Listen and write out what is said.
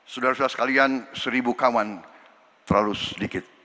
sudara sudara sekalian seribu kawan terlalu sedikit